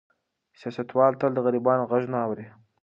سیاستوال تل د غریبانو غږ نه اوري.